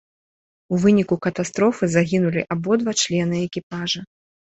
У выніку катастрофы загінулі абодва члены экіпажа.